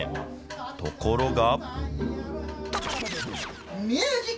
ところが。